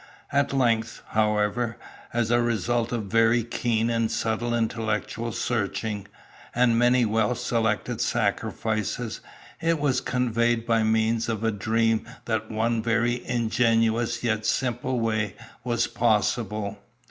At length, however, as a result of very keen and subtle intellectual searching, and many well selected sacrifices, it was conveyed by means of a dream that one very ingenious yet simple way was possible.